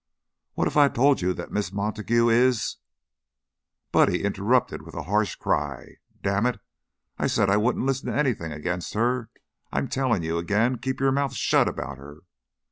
"What if I told you that Miss Montague is " Buddy interrupted with a harsh cry. "Damn it! I said I wouldn't listen to anything against her. I'm tellin' you, again, keep your mouth shut about her."